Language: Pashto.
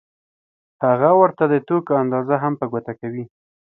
هغه ورته د توکو اندازه هم په ګوته کوي